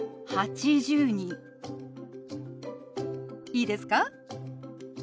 いいですか？